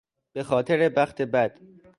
به خاطر بخت بد